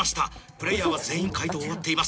プレーヤーは全員解答終わっています。